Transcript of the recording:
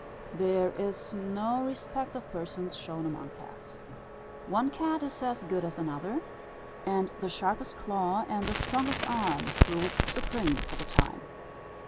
There is no respect of persons shown among cats. One cat is as good as another; and the sharpest claw and the strongest arm rules supreme for the time.